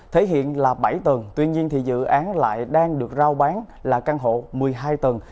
thể hiện là bảy tầng tuy nhiên thì dự án lại đang được giao bán là căn hộ một mươi hai tầng